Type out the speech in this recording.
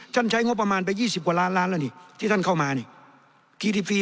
ใช้งบประมาณไป๒๐กว่าล้านล้านแล้วนี่ที่ท่านเข้ามานี่